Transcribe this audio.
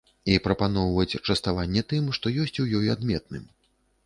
І прапаноўваць частаванне тым, што ёсць у ёй адметным.